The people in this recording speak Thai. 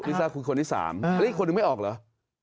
ลิซ่าคือคนที่สามแล้วอีกคนหนึ่งไม่ออกเหรอ